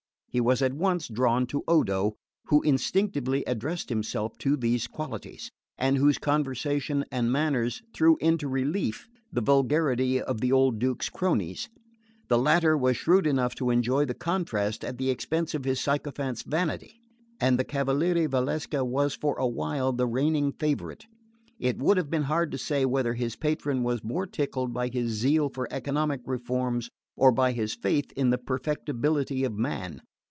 He was at once drawn to Odo, who instinctively addressed himself to these qualities, and whose conversation and manners threw into relief the vulgarity of the old Duke's cronies. The latter was the shrewd enough to enjoy the contrast at the expense of his sycophants' vanity; and the cavaliere Valsecca was for a while the reigning favourite. It would have been hard to say whether his patron was most tickled by his zeal for economic reforms, or by his faith in the perfectibility of man.